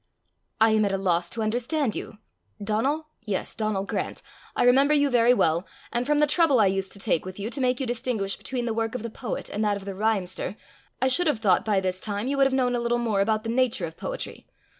"I am at a loss to understand you Donal? yes, Donal Grant. I remember you very well; and from the trouble I used to take with you to make you distinguish between the work of the poet and that of the rhymester, I should have thought by this time you would have known a little more about the nature of poetry.